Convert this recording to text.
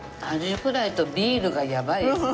鰺フライとビールがやばいです。